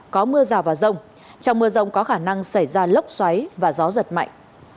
có mưa rào và rông trong mưa rông có khả năng xảy ra lốc xoáy và gió giật mạnh